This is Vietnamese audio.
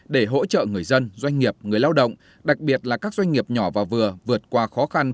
để hỗ trợ người dân doanh nghiệp người lao động đặc biệt là các doanh nghiệp nhỏ và vừa